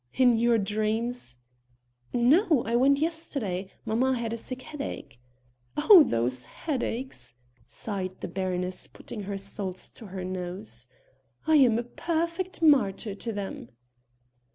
"In your dreams?" "No, I went yesterday; mamma had a sick headache." "Oh! those headaches!" sighed the baroness putting her salts to her nose, "I am a perfect martyr to them!"